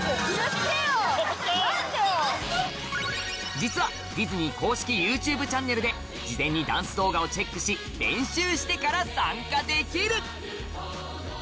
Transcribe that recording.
実はディズニー公式ＹｏｕＴｕｂｅチャンネルで事前にダンス動画をチェックし練習してから参加できる！